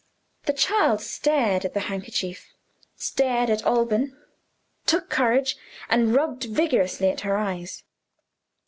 The child stared at the handkerchief stared at Alban took courage and rubbed vigorously at her eyes.